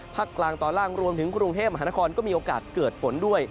กลางตอนล่างรวมถึงกรุงเทพมหานครก็มีโอกาสเกิดฝนด้วย